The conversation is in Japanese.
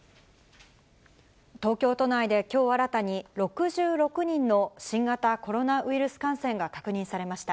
東京都内できょう新たに６６人の新型コロナウイルス感染が確認されました。